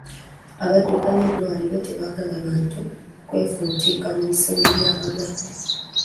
Abaddukanya eddwaliro tebaagala bantu kwefuutiika mu bisenge by'abalwadde.